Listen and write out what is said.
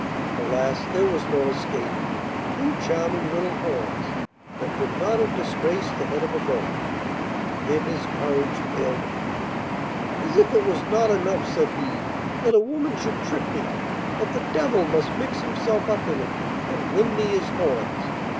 Alas! there was no escape: two charming little horns, that would not have disgraced the head of a goat. Then his courage failed him. 'As if it was not enough,' said he, 'that a woman should trick me, but the devil must mix himself up in it and lend me his horns.